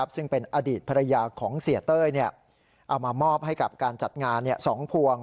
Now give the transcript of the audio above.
ซึ่งเป็นอดีตภรรยาของเสียเต้ยเอามามอบให้กับการจัดงาน๒พวง